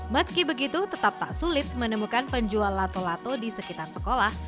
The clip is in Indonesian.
meski begitu tetap tak sulit menemukan penjual lato lato di sekitar sekolah